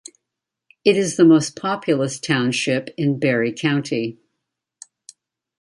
It is the most populous township in Barry County.